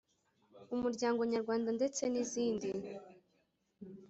umuryango nyarwanda ndetse nizindi